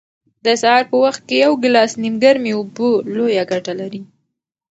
د سهار په وخت کې یو ګیلاس نیمګرمې اوبه لویه ګټه لري.